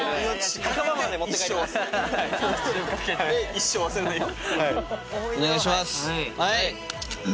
一生忘れないよ。